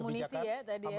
amunisi ya tadi ya